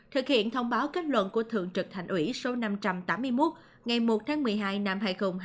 thực hiện thông báo kết luận của thượng trực thành ủy số năm trăm tám mươi một ngày một tháng một mươi hai năm hai nghìn hai mươi